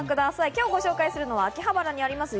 今日ご紹介するのは秋葉原にあります